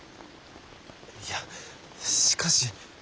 いやしかし。